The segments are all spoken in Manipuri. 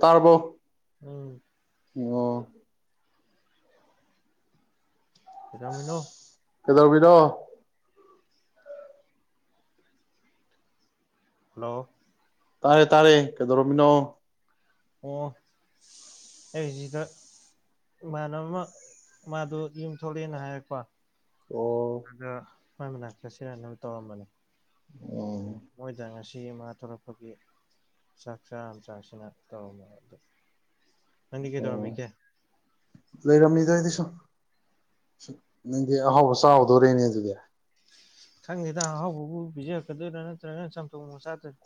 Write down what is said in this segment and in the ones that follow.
ꯇꯥꯔꯕꯣ ꯎꯝ ꯑꯣ ꯀꯩꯗꯧꯔꯝꯃꯤꯅꯣ ꯀꯩꯗꯧꯔꯝꯃꯤꯅꯣ ꯍꯜꯂꯣ ꯇꯥꯔꯦ ꯇꯥꯔꯦ ꯀꯩꯗꯧꯔꯃꯤꯅꯣ ꯑꯣ ꯑꯩꯁꯤꯗ ꯏꯃꯥꯟꯅꯕ ꯑꯃ ꯃꯥꯗꯣ ꯌꯨꯝ ꯊꯣꯛꯂꯛꯑꯦꯅ ꯍꯥꯏꯔꯛꯄ ꯑꯣ ꯑꯗꯥ ꯍꯣꯏ ꯃꯅꯥ ꯆꯠꯁꯤꯔ ꯑꯗꯨꯝ ꯇꯧꯔꯝꯕꯅꯦ ꯎꯝ ꯃꯣꯏꯗꯥ ꯉꯁꯤ ꯃꯥ ꯊꯧꯔꯛꯄꯒꯤ ꯆꯥꯛ ꯆꯥꯔꯥ ꯑꯃ ꯆꯥꯁꯤꯅ ꯇꯧꯔꯝꯃꯦ ꯑꯣ ꯂꯩꯔꯝꯃꯤ ꯑꯩꯗꯤ ꯁꯨꯝ ꯅꯪꯗꯤ ꯑꯍꯥꯎꯕ ꯆꯥꯎꯗꯣꯔꯤꯅꯦ ꯑꯗꯨꯗꯤ ꯈꯪꯉꯦꯗ ꯑꯍꯥꯎꯕꯥꯎꯕꯨ ꯄꯤꯖꯔꯛꯀꯗꯣꯏꯔꯥ ꯅꯠꯇ꯭ꯔꯒꯅ ꯆꯝꯊꯣꯡ ꯆꯥꯗꯣꯏꯔꯥ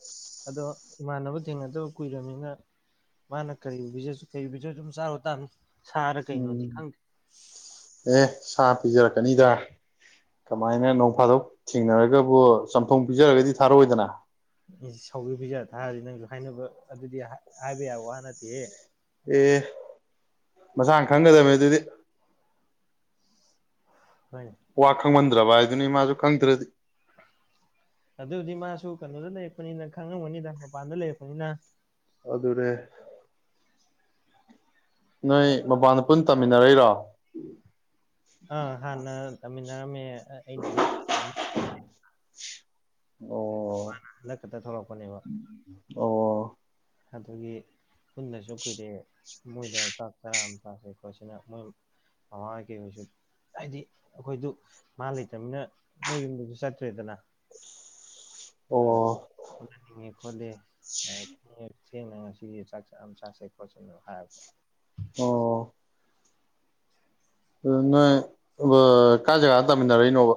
ꯑꯗꯣ ꯏꯃꯥꯟꯅꯕ ꯊꯦꯡꯅꯗꯕ ꯀꯨꯏꯔꯕꯅꯤꯅ ꯃꯥꯅ ꯀꯔꯤ ꯀꯔꯤꯕꯤꯖꯁꯨ ꯑꯗꯨꯝ ꯆꯥꯔꯣ ꯇꯥꯕꯅꯤ ꯁꯥꯔ ꯀꯩꯅꯣꯗꯤ ꯎꯝ ꯈꯪꯗꯦ ꯑꯦ ꯁꯥ ꯄꯤꯖꯔꯛꯀꯅꯤꯗ ꯀꯃꯥꯏꯅ ꯅꯣꯡ ꯐꯥꯗꯣꯛ ꯊꯦꯡꯅꯔꯒꯕꯨ ꯆꯝꯊꯣꯡ ꯄꯤꯖꯔꯒꯗꯤ ꯊꯥꯔꯑꯣꯗꯅ ꯁꯧꯒꯤ ꯄꯤꯖꯥ ꯊꯥꯔꯗꯤ ꯅꯪꯁꯨ ꯍꯥꯏꯅꯕ ꯑꯗꯨꯗꯤ ꯍꯥꯏꯕ ꯌꯥꯕ ꯋꯥ ꯅꯠꯇꯦꯍꯦ ꯑꯦ ꯃꯁꯥꯅ ꯈꯪꯒꯗꯕꯅꯦ ꯑꯗꯨꯗꯤ ꯍꯣꯏꯅꯦ ꯋꯥ ꯈꯪꯃꯟ ꯗ꯭ꯔꯕ ꯍꯥꯏꯗꯨꯅꯤ ꯃꯥꯁꯨ ꯈꯪꯗ꯭ꯔꯗꯤ ꯑꯗꯨ ꯍꯧꯗꯤ ꯃꯥꯁꯨ ꯀꯩꯅꯣꯗ ꯂꯩꯔꯛꯄꯅꯤꯅ ꯈꯪꯉꯝꯕꯅꯤꯗ ꯃꯄꯥꯟꯗ ꯂꯩꯔꯛꯄꯅꯤꯅ ꯑꯗꯨꯔ ꯅꯣꯏ ꯃꯄꯥꯟꯗ ꯄꯨꯟ ꯇꯝꯃꯤꯟꯅꯔꯛꯏꯔꯣ ꯑ ꯍꯥꯟꯅ ꯇꯥꯃꯤꯜꯅꯔꯝꯃꯦ ꯑꯩꯅ ꯑꯃꯨꯛ ꯑꯣ ꯃꯥꯅ ꯍꯟꯗꯛꯈꯥꯇ ꯊꯣꯛꯂꯛꯄꯅꯦꯕ ꯑꯣ ꯑꯗꯨꯒꯤ ꯄꯨꯟꯗꯁꯨ ꯀꯨꯏꯔꯦ ꯃꯣꯏꯗ ꯆꯥꯛ ꯆꯥꯔꯥ ꯑꯃ ꯆꯥꯁꯦ ꯈꯣꯠꯁꯦꯅ ꯃꯣꯏ ꯃꯃꯥ ꯃꯩꯀꯩ ꯍꯣꯏꯁꯨ ꯍꯥꯏꯗꯤ ꯑꯩꯈꯣꯏꯗꯨ ꯃꯥ ꯂꯩꯇꯅꯤꯅ ꯃꯣꯏ ꯌꯨꯝꯗꯁꯨ ꯆꯠꯇ꯭ꯔꯦꯗꯅ ꯑꯣ ꯈꯣꯠꯂꯦ [unintelligible] ꯊꯦꯡꯅ ꯉꯁꯤꯁ ꯆꯥꯛ ꯆꯥꯔꯥ ꯑꯃ ꯆꯥꯁꯩ ꯈꯣꯠꯁꯦꯅ ꯍꯥꯏꯕꯅꯦ ꯑꯣ ꯅꯣꯏ ꯀꯥꯏ ꯖꯒꯥ ꯇꯥꯃꯤꯟꯅꯔꯛꯏꯅꯣꯕ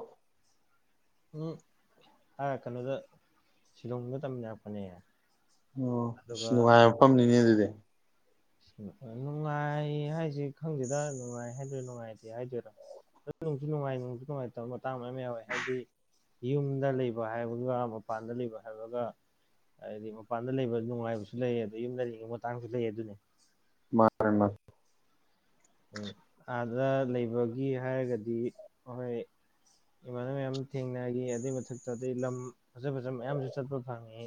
ꯎꯝ ꯀꯩꯅꯣꯗ ꯁꯤꯂꯣꯡꯗ ꯇꯝꯃꯤꯟꯅꯔꯛꯄꯅꯦ ꯑꯣ ꯁꯤ ꯑꯗꯨꯒ ꯅꯨꯡꯉꯥꯏꯕ ꯃꯐꯝꯅꯤꯅꯦ ꯑꯗꯨꯗꯤ ꯅꯨꯡꯉꯥꯏ ꯍꯥꯏꯁꯤ ꯈꯪꯗꯦꯗ ꯅꯨꯡꯉꯥꯏ ꯍꯥꯏꯗꯣꯏꯔꯣ ꯅꯨꯡꯉꯥꯏꯇꯦ ꯍꯥꯏꯗꯣꯏꯔꯥ ꯑꯗꯨꯣꯡꯁꯨ ꯅꯨꯡꯉꯥꯏ ꯄꯨꯡꯛꯁꯨ ꯅꯨꯡꯉꯥꯏꯇꯕ ꯃꯇꯥꯡ ꯃꯌꯥꯝ ꯌꯥꯎꯋꯦ ꯍꯥꯏꯗꯤ ꯌꯨꯝꯗ ꯂꯩꯕ ꯍꯥꯏꯕꯒ ꯃꯄꯥꯟꯗ ꯂꯩꯕ ꯍꯥꯏꯕꯒ ꯍꯥꯏꯗꯤ ꯃꯄꯥꯟꯗ ꯂꯩꯕ ꯅꯨꯡꯉꯥꯏꯕꯁꯨ ꯂꯩ ꯑꯗ ꯌꯨꯝꯗ ꯂꯩꯉꯤꯕ ꯃꯇꯥꯡꯁꯨ ꯂꯩ ꯑꯗꯨꯅꯤ ꯃꯥꯅꯤ ꯎ ꯑꯥꯗ ꯂꯩꯕꯒꯤ ꯍꯥꯏꯔꯒꯗꯤ ꯍꯣꯏ ꯏꯃꯥꯟꯅꯕ ꯃꯌꯥꯝ ꯊꯦꯡꯅꯈꯤ ꯑꯗꯨꯏ ꯃꯊꯛꯇ ꯑꯗꯩ ꯂꯝ ꯐꯖ ꯐꯖꯕ ꯃꯌꯥꯝꯁꯨ ꯆꯠꯄ ꯐꯪꯉꯤ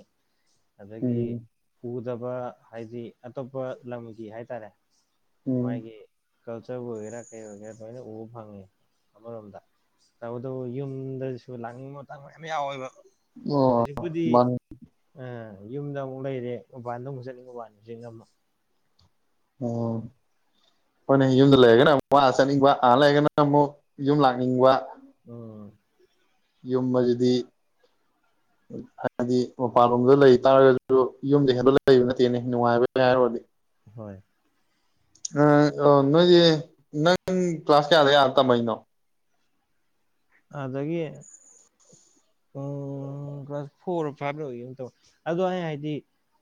ꯑꯗꯒꯤ ꯎꯝ ꯎ ꯐꯗꯕ ꯍꯥꯏꯗꯤ ꯑꯇꯣꯞꯄ ꯂꯝꯒꯤ ꯍꯥꯏꯇꯥꯔꯦ ꯎꯝ ꯃꯥꯏꯒꯤ ꯀꯜꯆꯔꯕꯨ ꯑꯣꯏꯒꯦꯔꯥ ꯀꯩ ꯑꯣꯏꯒꯦꯔꯥ ꯂꯣꯏꯅ ꯎꯕ ꯐꯪꯉꯤ ꯑꯃꯔꯣꯝꯗ ꯇꯧꯕꯇꯕꯨ ꯌꯨꯝꯗꯁꯨ ꯂꯥꯡꯅꯤꯡꯕ ꯃꯇꯥꯡ ꯃꯌꯥꯝ ꯌꯥꯎꯋꯦꯕ ꯑꯣ ꯍꯧꯖꯤꯛꯄꯨꯗꯤ ꯃꯥꯅꯤ ꯑꯝ ꯌꯨꯝꯗ ꯑꯃꯨꯛ ꯂꯩꯔꯦ ꯃꯄꯥꯟꯜꯗ ꯑꯃꯨꯛ ꯆꯠꯅꯤꯡꯕ ꯃꯕꯥꯜꯁꯦ ꯉꯝꯃꯣ ꯎ ꯍꯣꯏꯅꯦ ꯌꯨꯝꯗ ꯂꯩꯔꯒꯅ ꯑꯃꯨꯛ ꯋꯥ ꯆꯠꯅꯤꯡꯕ ꯑꯥ ꯂꯩꯔꯒꯅ ꯑꯃꯨꯛ ꯌꯨꯝ ꯂꯥꯛꯅꯤꯡꯕ ꯎꯝ ꯌꯨꯝ ꯑꯁꯤꯗꯤ ꯍꯥꯏꯕꯗꯤ ꯃꯄꯥꯟꯂꯣꯝꯗ ꯂꯩꯇꯥꯥꯔꯒꯁꯨ ꯌꯨꯝꯗ ꯍꯦꯟꯗꯂ ꯂꯩꯕ ꯅꯠꯇꯦꯅꯦ ꯅꯨꯡꯉꯥꯏꯕ ꯍꯥꯏꯔꯨꯔꯗꯤ ꯍꯣꯏ ꯎ ꯅꯣꯏꯗꯤ ꯅꯪ ꯀ꯭ꯂꯥꯁ ꯀꯌꯥꯗ ꯌꯥꯔ ꯇꯝꯃꯛꯢꯅꯣ ꯑꯗꯒꯤ ꯎ ꯀ꯭ꯂꯥꯁ ꯐꯣꯔ ꯐꯥꯏꯚ ꯂ ꯑꯃ ꯇꯧꯋꯦ ꯑꯗꯣ ꯑꯩ ꯍꯥꯏꯗꯤ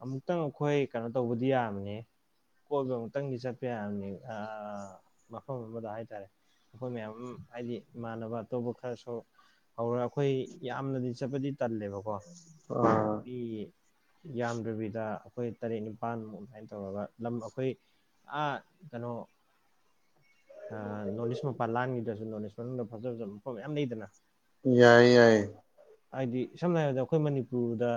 ꯑꯃꯨꯛꯇꯪ ꯑꯩꯈꯣꯏ ꯀꯩꯅꯣ ꯇꯧꯕꯗꯤ ꯌꯥꯕꯅꯤ ꯀꯣꯏꯕ ꯑꯃꯨꯛꯇꯪꯗꯤ ꯆꯠꯄ ꯌꯥꯅꯤ ꯃꯐꯝ ꯑꯃꯗ ꯍꯥꯏꯇꯥꯔꯦ ꯑꯩꯈꯣꯏ ꯃꯌꯥꯝ ꯑꯃ ꯍꯥꯏꯗꯤ ꯏꯃꯥꯟꯅꯕ ꯑꯇꯣꯞꯄ ꯈꯔꯁꯨ ꯍꯧꯔ ꯑꯩꯈꯣꯏ ꯌꯥꯝꯅꯗꯤ ꯆꯠꯄꯗꯤ ꯇꯟꯅꯦꯕꯀꯣ ꯑꯥ ꯃꯤꯒꯤ ꯌꯥꯝꯗ꯭ꯔꯕꯤꯗ ꯑꯩꯈꯣꯏ ꯇꯔꯦꯠ ꯅꯤꯄꯥꯜꯃꯨꯛ ꯑꯗꯨꯃꯥꯏꯅ ꯇꯧꯔꯒ ꯂꯝ ꯑꯩꯈꯣꯏ ꯑ ꯀꯩꯅꯣ ꯑ ꯅꯣꯅꯤꯁ ꯃꯄꯥꯜ ꯂꯥꯒꯤꯕꯗꯁꯨ ꯑꯗꯨ ꯅꯣꯠꯢꯁ ꯃꯅꯨꯡꯗ ꯐꯖ ꯐꯖꯕ ꯍ ꯌꯥꯝ ꯂꯩꯗꯅ ꯌꯥꯏ ꯌꯥꯏ ꯍꯥꯏꯗꯤ ꯁꯝꯅ ꯍꯥꯏꯔꯕꯗ ꯑꯩꯈꯣꯏ ꯃꯅꯤꯄꯨꯔꯗ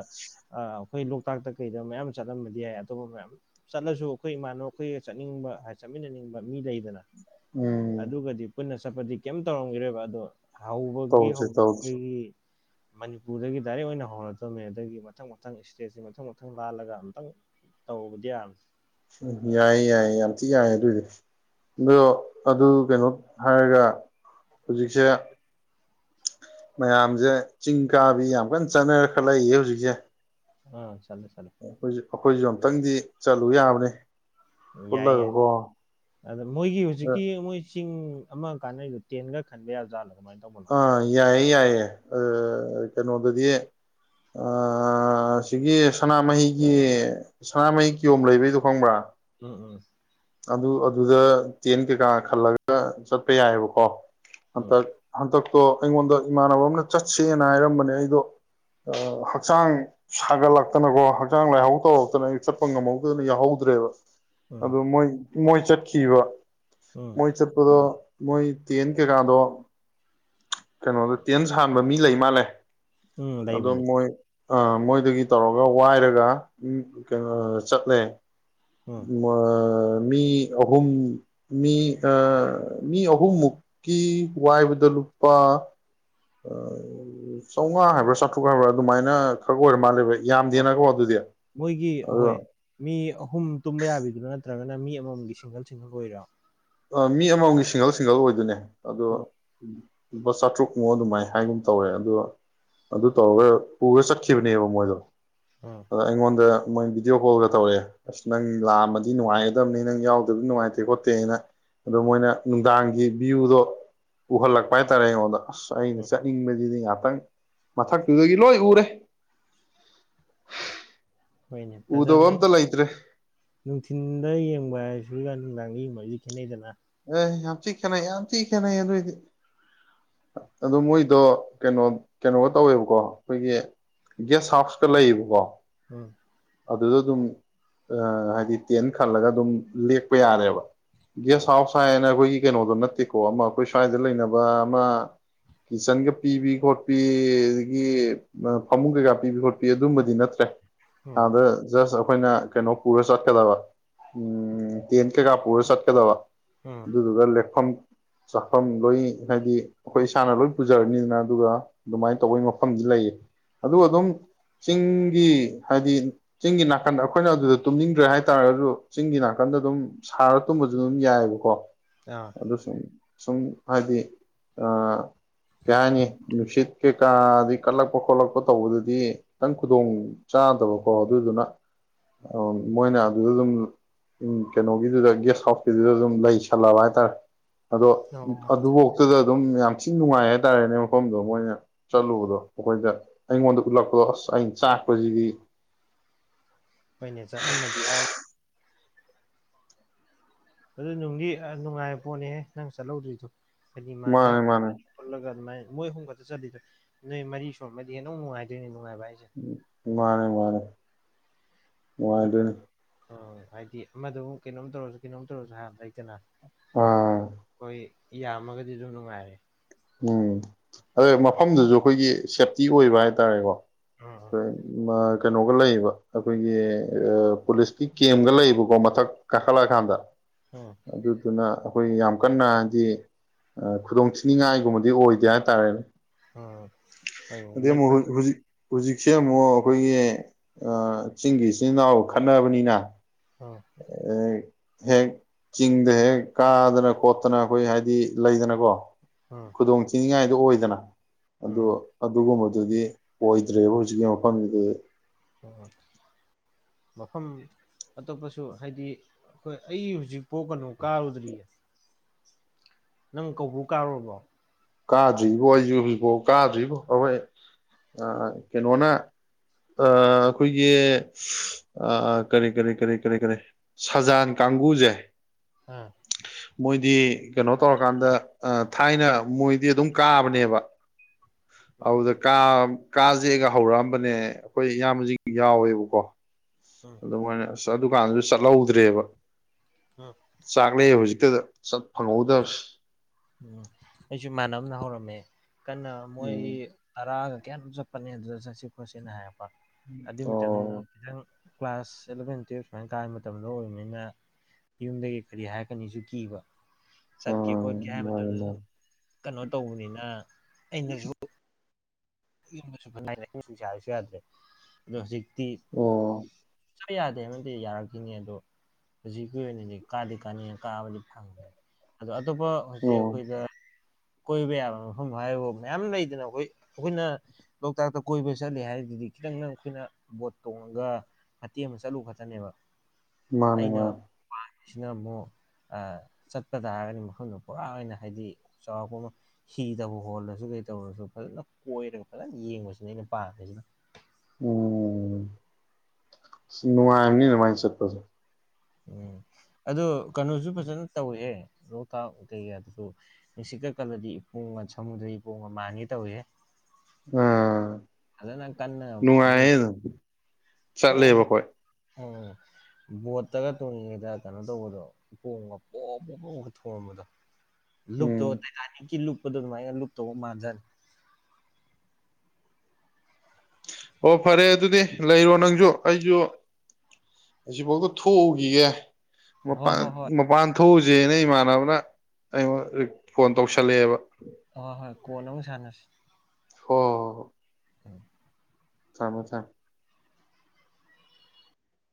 ꯑꯩꯈꯣꯏ ꯂꯣꯛꯇꯥꯛꯇ ꯀꯩꯗ ꯃꯌꯥꯝ ꯆꯠꯂꯝꯕꯗꯤ ꯌꯥꯏ ꯑꯇꯣꯞꯄ ꯃꯌꯥꯝ ꯆꯠꯂꯁꯨ ꯑꯩꯈꯣꯏ ꯏꯃꯥꯟꯅꯕ ꯑꯩꯈꯣꯏꯒ ꯆꯠꯅꯤꯡꯕ ꯆꯠꯃꯤꯟꯅꯅꯤꯡꯕ ꯃꯤ ꯂꯩꯕ ꯎꯝ ꯑꯗꯨꯒꯗꯤ ꯄꯨꯟꯅ ꯆꯠꯄꯗꯤ ꯀꯩꯝ ꯇꯧꯔꯝꯈꯤꯔꯣꯏꯕ ꯑꯗꯣ ꯍꯧꯕꯒꯤ ꯇꯧꯁꯦ ꯍꯧꯕ ꯇꯧꯁꯦ ꯑꯩꯈꯣꯏꯒꯤ ꯃꯅꯤꯄꯨꯔꯗꯒꯤ ꯗꯥꯏꯔꯦꯛ ꯑꯣꯏꯅ ꯍꯧꯔꯛꯇꯕꯅꯤ ꯑꯗꯒꯤ ꯃꯊꯪ ꯃꯊꯪ ꯏꯁꯇꯦꯠꯁꯤ ꯃꯊꯪ ꯃꯊꯪ ꯂꯥꯜꯂꯒ ꯑꯃꯨꯛꯇꯪ ꯇꯧꯕꯗꯤ ꯌꯥ ꯎ ꯌꯥꯏꯌꯦ ꯌꯥꯏꯌꯦ ꯌꯥꯝ ꯊꯤ ꯌꯥꯏ ꯑꯗꯨꯏꯗꯤ ꯑꯗꯣ ꯑꯗꯨ ꯀꯩꯅꯣ ꯍꯥꯏꯔꯒ ꯍꯧꯖꯤꯛꯁꯦ ꯃꯌꯥꯝꯁꯦ ꯆꯤꯡ ꯀꯥꯕꯤ ꯌꯥꯝ ꯀꯟꯅ ꯆꯠꯅꯔ ꯈꯠꯂꯛꯏꯌꯦ ꯍꯧꯖꯤꯛꯁꯦ ꯑ ꯆꯂꯦ ꯆꯂꯦ ꯑꯩꯈꯣꯏꯁꯨ ꯑꯩꯈꯣꯏꯁꯨ ꯑꯨꯛꯇꯪꯗꯤ ꯆꯠꯂꯨ ꯌꯥꯕꯅꯤ ꯌꯥꯏ ꯌꯥꯏ ꯑꯗ ꯃꯣꯏꯒꯤ ꯍꯧꯖꯤꯛꯀꯤ ꯃꯣꯏ ꯆꯤꯡ ꯑꯃ ꯀꯥꯟꯅꯔꯤꯗꯨꯣ ꯇꯦꯟꯒ ꯈꯟꯕ ꯌꯥꯕꯖꯥꯠꯂꯣ ꯀꯃꯥꯏꯅ ꯇꯧꯕꯅꯣ ꯑ ꯌꯥꯏ ꯑꯩ ꯌꯥꯏꯌꯦ ꯀꯩꯅꯣꯗꯗꯤ ꯑ ꯁꯤꯒꯤ ꯁꯅꯥꯃꯍꯤꯒꯤ ꯁꯅꯥꯃꯍꯤ ꯀꯤꯌꯣꯝ ꯂꯩꯕꯩꯗꯣ ꯈꯪꯕ꯭ꯔꯥ ꯎꯝ ꯎꯝ ꯑꯗꯨ ꯑꯗꯨꯗ ꯇꯦꯟ ꯀꯩꯀꯥ ꯈꯜꯂꯒ ꯆꯠꯄ ꯌꯥꯏꯑꯕꯀꯣ ꯎꯝ ꯈꯟꯇꯛ ꯍꯟꯗꯛꯇꯣ ꯑꯩꯉꯣꯟꯗ ꯏꯃꯥꯟꯅꯕ ꯑꯃꯅ ꯆꯠꯁꯦꯅ ꯍꯥꯏꯔꯝꯕꯅꯦ ꯑꯩꯗꯣ ꯍꯛꯆꯥꯡ ꯁꯥꯒꯠꯂꯛꯇꯅꯀꯣ ꯍꯛꯆꯥꯡ ꯂꯥꯏꯍꯧ ꯇꯧꯔꯛꯇꯅ ꯑꯩ ꯆꯠꯄ ꯉꯝꯍꯧꯗꯅ ꯌꯥꯎꯍꯧꯗ꯭ꯔꯦꯕ ꯎꯝ ꯑꯗꯨ ꯃꯣꯏ ꯃꯣꯏ ꯆꯠꯈꯤꯕ꯫ ꯎꯝ ꯃꯣꯏ ꯆꯠꯄꯗꯣ ꯃꯣꯏ ꯇꯦꯟ ꯀꯩꯀꯥꯗꯣ ꯀꯩꯅꯣꯗ ꯇꯦꯟ ꯁꯥꯟꯕ ꯃꯤ ꯂꯩ ꯃꯥꯜꯂꯦ ꯎꯝ ꯑꯗꯣ ꯂꯩꯕꯅꯦ꯫ ꯃꯣꯏ ꯑ ꯃꯣꯏꯗꯒꯤ ꯇꯧꯔꯒ ꯋꯥꯏꯔꯒ ꯀꯩꯅꯣ ꯆꯠꯂꯦ ꯎꯝ ꯃꯣꯏ ꯃꯤ ꯑꯍꯨꯝ ꯃꯤ ꯑ ꯃꯤ ꯑꯍꯨꯝꯃꯨꯛꯀꯤ ꯋꯥꯏꯕꯗ ꯂꯨꯄꯥ ꯆꯥꯎꯉꯥ ꯍꯥꯏꯕ꯭ꯔꯥ ꯆꯥꯇ꯭ꯔꯨꯛ ꯍꯥꯏꯕ꯭ꯔꯥ ꯑꯗꯨꯃꯥꯏꯅ ꯈꯛ ꯑꯣꯏꯔ ꯃꯥꯜꯂꯦꯕ ꯑꯩ ꯑꯣ ꯃꯣꯏꯒꯤ ꯍꯣꯏ ꯃꯤ ꯑꯍꯨꯝ ꯇꯨꯝꯕ ꯌꯥꯕꯤꯗꯨꯔ ꯅꯠꯇ꯭ꯔꯒ ꯅ ꯃꯤ ꯑꯃꯃꯝꯒꯤ ꯁꯤꯡꯒꯜ-ꯁꯤꯡꯒꯜ ꯑꯣꯏꯔꯤꯔꯣ꯫ ꯑ ꯃꯤ ꯑꯃꯃꯝꯒꯤ ꯁꯤꯡꯒꯜ-ꯁꯤꯡꯒꯜ ꯑꯣꯏꯗꯣꯏꯅꯦ꯫ ꯑꯗꯣ ꯑꯣ ꯂꯨꯄꯥ ꯆꯥꯇ꯭ꯔꯨꯛꯃꯨꯛ ꯑꯗꯨꯃꯥꯏꯅ ꯍꯥꯏꯒꯨꯝ ꯇꯧꯔꯦ ꯑꯗꯣ ꯑꯗꯨ ꯇꯧꯔꯒ ꯄꯨꯔ ꯆꯠꯈꯤꯕꯅꯦꯕ ꯃꯣꯏꯗꯣ ꯑꯥ ꯑ ꯑꯩꯉꯣꯟꯗ ꯃꯣꯏ ꯚꯤꯗꯤꯑꯣ ꯀꯣꯜꯒ ꯇꯧꯔꯛꯑꯦ ꯑꯁ ꯅꯪ ꯂꯥꯛꯑꯝꯃꯗꯤ ꯅꯨꯡꯉꯥꯏꯒꯗꯕꯅꯤ ꯅꯪ ꯌꯥꯎꯗꯕꯗꯤ ꯅꯨꯡꯉꯥꯏꯇꯔꯦ ꯈꯣꯠꯇꯦꯅ꯫ ꯑꯗꯣ ꯃꯣꯏꯅ ꯅꯨꯡꯗꯥꯡꯒꯤ ꯚ꯭ꯌꯨꯗꯣ ꯎꯍꯜꯂꯛꯄ ꯍꯥꯏꯇꯥꯔꯦ ꯑꯩꯉꯣꯟꯗ꯫ ꯑꯁ ꯑꯩꯅ ꯎꯝ ꯆꯠꯅꯤꯡꯕꯁꯤꯗꯤ ꯉꯍꯥꯛ ꯊꯡ ꯃꯊꯛꯇꯨꯗꯒꯤ ꯂꯣꯏ ꯎꯔꯦ꯫ ꯍꯣꯏꯅꯦ ꯎꯗꯕ ꯐꯖꯕꯅꯤ ꯑꯝꯇ ꯂꯩꯇ꯭ꯔꯦ ꯅꯨꯡꯊꯤꯟꯗ ꯌꯦꯡꯕ ꯍꯥꯏꯁ ꯊꯨꯜꯒꯥ ꯅꯨꯡꯗꯥꯡ ꯃꯔꯤ ꯃꯔꯤ ꯈꯦꯠꯅꯩꯗꯅ ꯑꯦ ꯌꯥꯝ ꯊꯤ ꯈꯦꯠꯅꯩ ꯌꯥꯝ ꯊꯤ ꯈꯦꯠꯅꯩ ꯑꯗꯨꯒꯤꯗꯤ꯫ ꯑꯗꯨ ꯃꯣꯏꯗꯣ ꯀꯩꯅꯣ ꯀꯩꯅꯣꯒ ꯇꯧꯋꯦꯕꯀꯣ ꯑꯩꯈꯣꯏꯒꯤ ꯒꯦꯁ ꯍꯥꯎꯁꯀ ꯂꯩꯌꯦꯕꯀꯣ꯫ ꯎꯝ ꯑꯗꯨꯗ ꯑꯗꯨꯝ ꯍꯥꯏꯗꯤ ꯇꯦꯟ ꯈꯜꯂꯒ ꯑꯗꯨꯝ ꯂꯦꯛꯄ ꯌꯥꯔꯦꯕ ꯒꯦꯁ ꯍꯣꯏ ꯍꯥꯎꯁ ꯍꯥꯏꯌꯦꯅ ꯑꯩꯈꯣꯏꯒꯤ ꯀꯩꯅꯣꯗꯣ ꯅꯠꯇꯦꯀꯣ ꯑꯃ ꯑꯩꯈꯣꯏ ꯁ꯭ꯋꯥꯏꯗ ꯂꯩꯅꯕ ꯑꯃ ꯀꯤꯠꯆꯟꯒ ꯄꯤꯕꯤ ꯈꯣꯠꯄꯤ ꯑꯗꯒꯤ ꯐꯃꯨꯡ ꯀꯩꯀꯥ ꯄꯤꯕꯤ ꯈꯣꯠꯄꯤ ꯑꯗꯨꯝꯕꯗꯤ ꯅꯠꯇ꯭ꯔꯦ꯫ ꯎꯝ ꯑꯥꯗ ꯖꯁꯠ ꯑꯥ ꯑꯩꯈꯣꯏꯅ ꯀꯩꯅꯣ ꯄꯨꯔ ꯆꯠꯀꯗꯕ ꯎ ꯇꯦꯟ ꯀꯩꯀꯥ ꯄꯨꯔ ꯆꯠꯀꯗꯕ ꯎꯝ ꯗꯨꯗꯨꯒꯥ ꯂꯦꯀꯐꯝ ꯆꯥꯐꯝ ꯂꯣꯏ ꯍꯥꯏꯗꯤ ꯑꯩꯈꯣꯏ ꯏꯁꯥꯅ ꯂꯣꯏ ꯄꯨꯖꯔꯅꯤꯗꯅ ꯑꯗꯨꯒ ꯑꯗꯨꯃꯥꯏꯅ ꯇꯧꯕꯒꯤ ꯃꯐꯝꯗꯤ ꯂꯩꯌꯦ ꯑꯗꯨꯒ ꯑꯗꯨꯝ ꯆꯤꯡꯒꯤ ꯍꯥꯏꯗꯤ ꯆꯤꯡꯒꯤ ꯅꯥꯀꯟꯗ ꯑꯩꯈꯣꯏꯅ ꯑꯗꯨꯗ ꯇꯨꯝꯅꯤꯡꯗ꯭ꯔꯦ ꯍꯥꯏꯇꯥꯔꯒꯁꯨ ꯆꯤꯡꯒꯤ ꯅꯥꯀꯟꯗ ꯑꯗꯨꯝ ꯁꯥꯔ ꯇꯨꯝꯕꯁꯨ ꯑꯗꯨꯝ ꯌꯥꯏꯌꯦꯕꯀꯣ ꯑꯥ ꯑꯗꯨꯁꯨ ꯁꯨꯝ ꯍꯥꯏꯗꯤ ꯑ ꯀꯩ ꯍꯥꯏꯅꯤ ꯅꯨꯡꯁꯤꯠ ꯀꯩꯀꯥꯗꯤ ꯀꯠꯂꯛꯄ ꯈꯣꯠꯂꯛꯄ ꯇꯧꯕꯗꯗꯤ ꯈꯤꯇꯪ ꯈꯨꯗꯣꯡ ꯆꯥꯗꯕꯀꯣ ꯑꯗꯨꯗꯨꯅ ꯃꯣꯏꯅ ꯑꯗꯨꯗ ꯑꯗꯨꯝ ꯀꯩꯅꯣꯒꯤꯗꯨꯗ ꯒꯦꯁ ꯍꯥꯎꯁꯀꯤꯗꯨꯗ ꯑꯗꯨꯝ ꯂꯩꯁꯜꯂꯕ ꯍꯥꯏꯇꯥꯔꯦ ꯑꯗꯣ ꯑꯣ ꯑꯗꯨꯐꯥꯎꯇꯗ ꯑꯗꯨꯝ ꯌꯥꯝ ꯊꯤꯅ ꯅꯨꯡꯉꯥꯏ ꯍꯥꯏꯇꯥꯔꯦꯅꯦ ꯃꯐꯝꯗꯣ ꯃꯣꯏꯅ ꯆꯠꯂꯨꯕꯗꯣ ꯑꯩꯈꯣꯏꯗ ꯑꯩꯉꯣꯟꯗ ꯎꯠꯂꯛꯄꯗꯣ ꯑꯁ ꯑꯩꯅ ꯆꯥꯛ ꯄ ꯆꯥꯕꯤ ꯍꯣꯏꯅꯦ ꯆꯠꯂꯝꯃꯗꯤ ꯍꯥꯏꯝ ꯑꯗꯨ ꯅꯨꯡꯗꯤ ꯅꯨꯡꯉꯥꯏꯕ ꯄꯣꯠꯅꯦꯍꯦ ꯅꯡ ꯆꯠꯂꯩꯗ꯭ꯔꯤꯗꯣ ꯍꯥꯏꯗꯤ ꯃꯥꯅꯦ ꯃꯥꯅꯔꯥꯞ ꯃꯥꯅꯦ ꯈꯣꯠꯂꯒ ꯑꯗꯨꯝꯅ ꯃꯣꯏ ꯑꯍꯨꯝ ꯈꯛꯇ ꯆꯠꯂꯤꯗ ꯅꯣꯏ ꯃꯔꯤ ꯁꯣꯟꯃꯗꯤ ꯁꯨꯔꯝꯃꯗꯤ ꯍꯦꯅꯥ ꯑꯃꯨꯛ ꯅꯨꯉꯥꯏꯗꯣꯏꯅꯤ ꯅꯨꯉꯥꯏꯕꯥ ꯍꯥꯌꯁꯦ ꯃꯥꯅꯤ ꯃꯥꯅꯤ [unintelligible] ꯑꯣ ꯍꯥꯏꯗꯤ ꯑꯃꯗꯨꯕꯨ ꯀꯩꯅꯣꯝ ꯇꯧꯔꯁꯨ ꯀꯩꯅꯣꯝ ꯇꯧꯔꯁꯨ ꯍꯥ ꯂꯩꯇꯅ ꯑꯥ ꯍꯣꯏꯌꯦ ꯌꯥ ꯃꯒꯗꯤ ꯑꯗꯨꯝ ꯅꯨꯉꯥꯏꯇꯦ ꯎꯝ ꯑꯗꯨ ꯃꯐꯝꯗꯨꯁꯨ ꯑꯩꯈꯣꯏꯒꯤ ꯁꯦꯞꯇꯤ ꯑꯣꯏꯕ ꯍꯥꯏꯇꯥꯔꯦꯀꯣ ꯎꯝ ꯃꯥ ꯀꯩꯅꯣꯒ ꯂꯩꯌꯦꯕ ꯑꯩꯈꯣꯏꯒꯤ ꯄꯨꯂꯤꯁꯀꯤ ꯀꯦꯝꯒ ꯂꯩꯌꯦꯕꯀꯣ ꯃꯊꯛ ꯀꯥꯏꯈꯠꯂꯛꯑꯀꯥꯟꯗ ꯎꯝ ꯑꯗꯨꯗꯨꯅ ꯑꯩꯈꯣꯏ ꯌꯥꯝ ꯀꯟꯅ ꯍꯥꯏꯗꯤ ꯈꯨꯗꯣꯡ ꯊꯤꯅꯤꯡꯉꯥꯏ ꯒꯨꯝꯕꯗꯤ ꯑꯣꯏꯗꯦ ꯍꯥꯏꯇꯥꯔꯦꯅꯦ ꯑ ꯀꯥꯏꯌꯣ ꯑꯗꯩ ꯑꯃꯨꯛ ꯂꯤꯄꯥꯁꯥ ꯍꯧꯖꯤꯛ ꯍꯧꯖꯤꯛꯁꯦ ꯑꯃꯨꯛ ꯑꯩꯈꯣꯏꯒꯤ ꯆꯤꯡꯒꯤ ꯏꯆꯤꯟꯜ ꯏꯅꯥꯎ ꯈꯠꯅꯕꯅꯤꯅ ꯎꯝ ꯑꯦ [unintelligible] ꯍꯦꯛ ꯆꯤꯡꯗ ꯍꯦꯛ ꯀꯥꯗꯅ ꯈꯣꯠꯇꯅ ꯑꯩꯈꯣꯏ ꯍꯥꯏꯗꯤ ꯂꯩꯗꯅꯀꯣ ꯎꯝ ꯈꯨꯗꯣꯡ ꯊꯤꯅꯤꯡꯉꯥꯏ ꯑꯣꯏꯗꯅ ꯑꯗꯨ ꯎꯝ ꯑꯗꯨꯒꯨꯝꯕꯗꯨ ꯑꯗꯨꯗꯤ ꯑꯣꯏꯗ꯭ꯔꯦꯕ ꯍꯧꯖꯤꯛꯀꯤ ꯃꯐꯝꯗꯨꯗꯗꯤ ꯑꯣ ꯃꯐꯝ ꯑꯇꯣꯞꯄꯁꯨ ꯍꯥꯏꯗꯤ ꯍꯣꯌ ꯑꯩ ꯍꯧꯖꯤꯛꯐꯥꯎ ꯀꯩꯅꯣ ꯀꯥꯔꯨꯗ꯭ꯔꯤꯌꯦ ꯅꯡ ꯀꯧꯕꯨ ꯀꯥꯔꯨꯔꯕꯣ ꯀꯥꯗ꯭ꯔꯤꯕꯣ ꯑꯩꯁꯨ ꯍꯧꯖꯤꯛꯐꯥꯎ ꯀꯥꯗ꯭ꯔꯤꯕꯣ ꯑꯩꯈꯣꯏ ꯀꯩꯅꯣꯅ ꯑꯩꯈꯣꯏꯒꯤ ꯀꯔꯤ ꯀꯔꯤ ꯀꯔꯤ ꯀꯔꯤ ꯀꯔꯤ ꯁꯖꯥꯟ ꯀꯥꯡꯕꯨꯁꯦ ꯑꯥ ꯃꯣꯏꯗꯤ ꯀꯩꯅꯣ ꯇꯧꯔꯀꯥꯟꯗ ꯊꯥꯏꯅ ꯃꯣꯏꯗꯤ ꯑꯗꯨꯝ ꯀꯥꯕꯅꯦꯕ ꯎꯝ ꯍꯥꯎꯗ ꯀ ꯀꯥꯥꯁꯦꯒ ꯍꯧꯔꯛꯑꯝꯕꯅꯦ ꯑꯩꯈꯣꯏ ꯌꯥꯝꯁꯨ ꯌꯥꯎꯋꯦꯕꯀꯣ ꯎꯝ ꯑꯗꯨꯗ ꯅꯣꯏꯅ ꯑꯁ ꯗꯨꯀꯥꯟꯗꯨꯁꯨ ꯆꯠꯍꯧꯗ꯭ꯔꯦꯕ ꯎꯝ ꯆꯥꯡꯒꯂ ꯍꯧꯖꯤ ꯇꯗ ꯆꯠ ꯐꯪꯍꯧꯗꯕꯁ ꯎꯝ ꯑꯩꯁꯨ ꯏꯃꯥꯟꯅꯝꯅ ꯍꯧꯔꯝꯃꯦ ꯀꯟꯅ ꯃꯣꯏ ꯎꯝ ꯑꯔꯒ ꯀꯦꯝ ꯆꯠꯄꯅꯦ ꯗꯨꯗ ꯆꯠꯁꯦ ꯈꯣꯠꯁꯦꯅ ꯍꯥꯏ ꯄ ꯑꯗꯨꯏ ꯃꯇꯝꯗꯨꯅ ꯑꯣ ꯈꯤꯗꯥꯪ ꯀ꯭ꯂꯥꯁ ꯑꯦꯂꯚꯦꯟ ꯇꯨꯌꯦꯜꯞ ꯁꯨꯃꯥꯏꯅ ꯀꯥꯔ ꯃꯇꯝꯗ ꯑꯣꯏꯕꯅꯤꯅ ꯌꯨꯝꯗꯒꯤ ꯀꯔꯤ ꯍꯥꯏꯔꯛꯀꯅꯤꯁꯨ ꯀꯤꯕ ꯆꯠꯀꯦ ꯈꯣꯠ ꯎꯝ ꯌꯥꯏ ꯃꯥꯅꯦ ꯃꯇꯝꯗꯁꯨ ꯃꯥꯅꯦ ꯀꯅꯣ ꯇꯧꯕꯅꯤꯅ ꯑꯩꯅꯁꯨ [unintelligible] ꯆꯥꯕꯁꯨ ꯌꯥꯗ꯭ꯔꯦ ꯑꯗꯣ ꯍꯧꯖꯤꯛ ꯑꯣ ꯆꯥ ꯌꯥꯗꯦ ꯍꯥꯏꯕꯠꯇꯦ ꯌꯥꯔꯛꯈꯤꯅꯤ ꯑꯗꯣ ꯍꯨꯖꯤꯛꯀꯤ ꯑꯣꯏꯅꯗꯤ ꯀꯥꯗꯤ ꯀꯥꯅꯤꯉꯦ ꯀꯥꯕꯗꯤ ꯐꯪꯗ꯭ꯔꯦ ꯑꯗꯣ ꯑꯛ ꯇꯣꯞꯄ ꯍꯧꯖꯤꯛ ꯑꯣ ꯑꯈꯣꯏꯗ ꯀꯣꯏꯕ ꯌꯥꯕ ꯃꯐꯝꯗ ꯍꯥꯏꯔꯕꯨ ꯃꯌꯥꯝ ꯂꯩꯗꯅ ꯑꯈꯣꯏ ꯑꯈꯣꯏꯅ ꯂꯣꯛꯇꯥꯛꯇ ꯀꯣꯏꯕ ꯆꯠꯂꯤ ꯍꯥꯏꯔꯗꯨꯗꯤ ꯈꯤꯗꯥꯪ ꯅꯪ ꯈꯣꯏꯅ ꯕꯣꯠ ꯇꯣꯡꯉꯒ ꯐꯠꯇꯦꯛ ꯑꯃ ꯆꯠꯂꯨ ꯈꯛꯇꯅꯦꯕ ꯃꯥꯅꯦ ꯑꯩꯅ ꯃꯥꯟ ꯁꯤꯅ ꯑꯃꯨꯛ ꯑ ꯆꯠꯄ ꯇꯥꯔꯒꯗꯤ ꯃꯐꯝꯗꯨ ꯄꯣꯔꯥ ꯑꯣꯏꯅ ꯍꯥꯏꯗꯤ ꯆꯥꯎꯔꯥꯛꯄ ꯑꯃ ꯍꯤꯗꯕꯨ ꯍꯣꯜꯂꯁꯨ ꯀꯩ ꯇꯧꯔꯁꯨ ꯐꯖꯅ ꯀꯣꯏꯔꯒ ꯐꯖꯟ ꯌꯦꯡꯕꯁꯤꯅ ꯑꯩꯅ ꯄꯥꯝꯃꯤꯁꯤꯅ ꯎꯝ ꯁꯤꯅꯨꯡꯉꯥꯏꯅꯤ ꯑꯗꯨꯃꯥꯏ ꯆꯠꯄꯁꯨ ꯎꯝ ꯑꯗꯨ ꯀꯅꯣꯁꯨ ꯐꯖꯟ ꯇꯧꯋꯦꯍꯦ ꯂꯣꯛꯇꯥꯛ ꯀꯩꯀꯥ ꯑꯗꯨꯁꯨ ꯅꯨꯡꯁꯤꯠꯀ ꯀꯜꯂꯗꯤ ꯏꯄꯣꯒ ꯁꯃꯨꯗ꯭ꯔ ꯏꯄꯣꯒ ꯃꯥꯟꯒꯦ ꯇꯧꯏꯍꯦ ꯑꯥ ꯀꯟꯅ ꯃꯣꯏ ꯅꯨꯡꯉꯥꯏꯌꯦ ꯑꯗꯨꯝ ꯆꯠꯂꯦꯕꯈꯣꯏ ꯎꯝ ꯕꯣꯠꯇꯒ ꯇꯣꯡꯉꯤꯉꯩꯗ ꯀꯩꯅꯣ ꯇꯧꯕꯗꯣ ꯎꯄꯣꯒ ꯄꯣꯞ ꯄꯣꯞ ꯄꯣꯛꯒ ꯊꯣꯡꯉꯝꯕꯗꯣ ꯂꯨꯨꯞꯇꯣ ꯎꯝ ꯇꯥꯏꯇꯥꯅꯛꯀꯤ ꯂꯨꯞ ꯄꯗꯨ ꯗꯨꯏ ꯂꯨꯨꯞꯇꯧꯕ ꯃꯥꯥꯟꯖꯥꯟ ꯑꯣ ꯐꯔꯦ ꯑꯗꯨꯗꯤ ꯂꯩꯔꯣ ꯅꯪꯖꯨ ꯑꯩꯖꯨ ꯑꯁꯤꯐꯥꯎꯗ ꯊꯣꯛꯎꯒꯤꯒꯦ ꯍꯣꯏ ꯃꯄꯥꯟ ꯍꯣꯏ ꯍꯣꯏ ꯃꯄꯥꯟ ꯊꯣꯛꯎ [unintelligible] ꯅ ꯏꯃꯥꯅꯕꯅ ꯑꯩꯉꯣꯟ ꯔꯤ ꯐꯣꯟ ꯇꯧꯁꯜꯂꯛꯑꯦꯕ ꯑ ꯍꯣꯏ ꯀꯣꯟ ꯑꯃꯨꯛ ꯁꯥꯟꯅꯁꯤ [unintelligible] ꯎꯝ ꯊꯝꯃꯣ ꯊꯝ